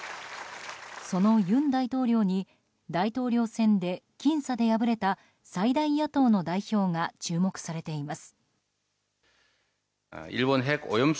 その尹大統領に大統領選で僅差で敗れた最大野党の代表が注目されています。